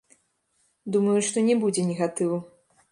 Думаю, што не будзе негатыву.